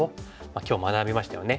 今日学びましたよね。